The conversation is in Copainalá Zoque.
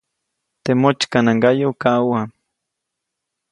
Teʼ motsykanaŋgayu kaʼuʼam.